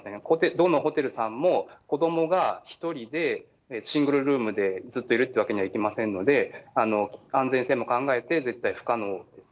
どんなホテルさんも、子どもが１人でシングルルームで、ずっといるってわけにはいきませんので、安全性も考えて、絶対不可能です。